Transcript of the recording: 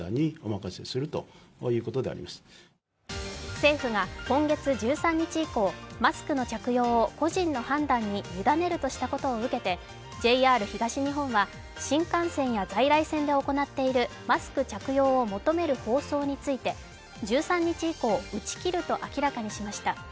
政府が今月１３日以降、マスクの着用を個人の判断に委ねるとしたことを受けてＪＲ東日本は、新幹線や在来線で行っているマスク着用を求める放送について１３日以降、打ち切ると明らかにしました。